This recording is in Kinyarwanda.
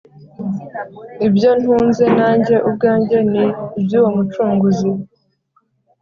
Ibyo ntuze nanjye ubwanjye ni ibyuwo mucunguzi